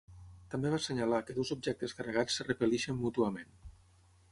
També va assenyalar que dos objectes carregats es repel·leixen mútuament.